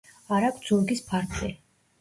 არ აქვთ ზურგის ფარფლი.